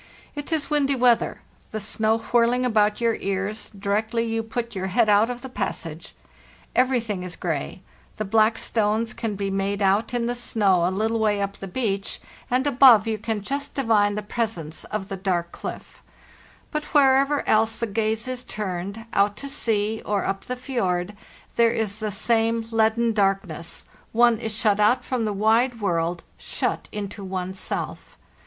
It is windy weather, the snow whirling about your ears, directly you put your head out of the passage. Everything is gray; the black stones can be made out in the snow a little way up the beach, and above you can just divine the presence of the dark clit; but wherever else the gaze is turned, out to sea or up the fjord, there is the same leaden darkness; one is shut out from the wide world, shut into one's self.